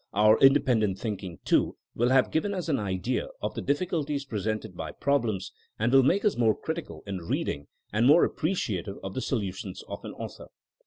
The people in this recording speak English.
Our independent thinking, too, will have given us an idea of the diflSculties presented by problems, and will make us more critical in reading and more appreciative of the solutions of an author.